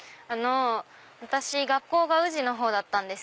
私学校宇治のほうだったんです。